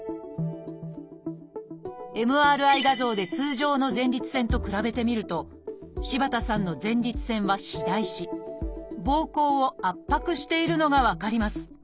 ＭＲＩ画像で通常の前立腺と比べてみると柴田さんの前立腺は肥大しぼうこうを圧迫しているのが分かります。